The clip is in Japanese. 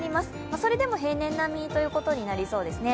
それでも平年並みということになりそうですね。